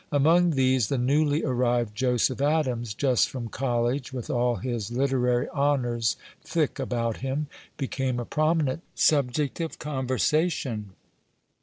Among these the newly arrived Joseph Adams, just from college, with all his literary honors thick about him, became a prominent subject of conversation.